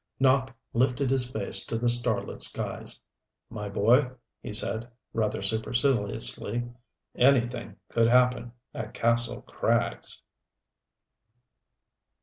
Nopp lifted his face to the starlit skies. "My boy," he said, rather superciliously, "anything could happen at Kastle Krags."